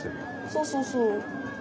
そうそうそう。